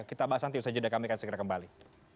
kita bahas nanti usaha jeda kami akan segera kembali